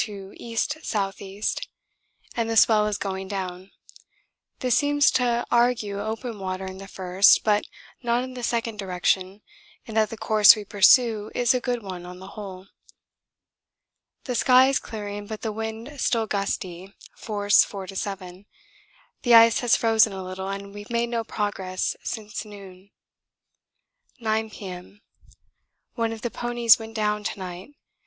to E.S.E. and the swell is going down this seems to argue open water in the first but not in the second direction and that the course we pursue is a good one on the whole. The sky is clearing but the wind still gusty, force 4 to 7; the ice has frozen a little and we've made no progress since noon. 9 P.M. One of the ponies went down to night.